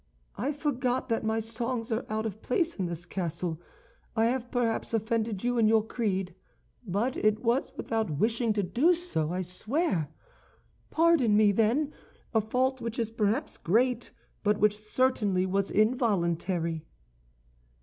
"I forgot that my songs are out of place in this castle. I have perhaps offended you in your creed; but it was without wishing to do so, I swear. Pardon me, then, a fault which is perhaps great, but which certainly was involuntary."